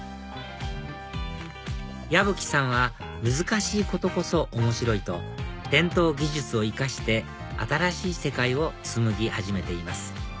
矢吹さんは難しいことこそ面白いと伝統技術を生かして新しい世界を紡ぎ始めています